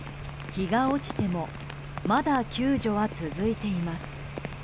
日が落ちてもまだ救助は続いています。